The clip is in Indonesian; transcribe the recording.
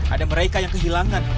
ada mereka yang kehilangan